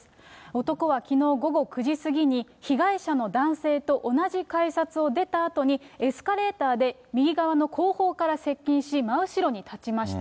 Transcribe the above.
男はきのう午後９時過ぎに、被害者の男性と同じ改札を出たあとに、エスカレーターで右側の後方から接近し、真後ろに立ちました。